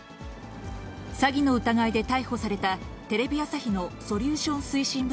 詐欺の疑いで逮捕されたテレビ朝日のソリューション推進